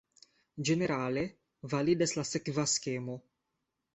Ĝenerale validas la sekva skemo.